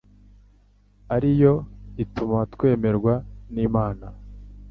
ari yo ituma twemerwa n'Imana ?